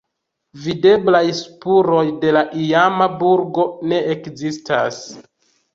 Videblaj spuroj de la iama burgo ne ekzistas.